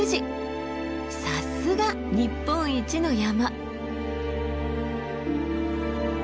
さすが日本一の山！